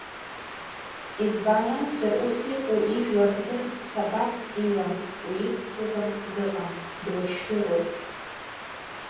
Избан акәзыр, ус иҟоу ижәлар рзын сабаԥк илам, уиқәгәыӷыртә дыҟам, дуашәшәыроуп.